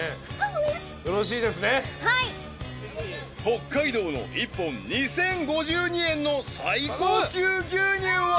［北海道の一本２，０５２円の最高級牛乳は］